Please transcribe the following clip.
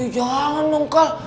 jangan dong kal